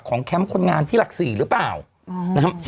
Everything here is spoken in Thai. ของแคมป์คนงานที่หลักศรีหรือเปล่า